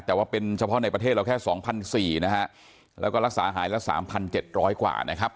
แต่ว่าเป็นเฉพาะในประเทศเราแค่๒๔๐๐นะฮะแล้วก็รักษาหายละ๓๗๐๐กว่านะครับ